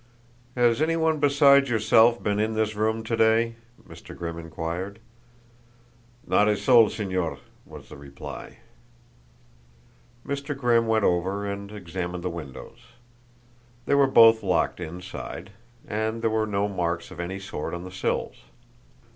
"Has any one besides yourself been in this room to day?" Mr. Grimm inquired. "Not a soul, Señor," was the reply. Mr. Grimm went over and examined the windows. They were both locked inside; and there were no marks of any sort on the sills.